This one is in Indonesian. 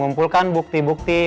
hanya salah new thinking